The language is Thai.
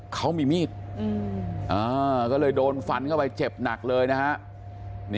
เขามีมีดก็เลยโดนฟันเข้าไปเจ็บหนักเลยนะฮะ